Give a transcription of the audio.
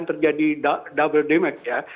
terjadi double damage ya